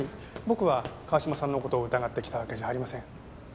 僕は川嶋さんの事を疑って来たわけじゃありません。